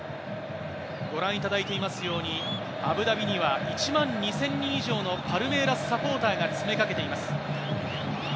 ご覧いただいていますように、アブダビには１万２０００人以上のパルメイラスサポーターが詰めかけています。